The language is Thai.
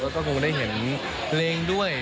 แล้วก็คงได้เห็นเพลงด้วย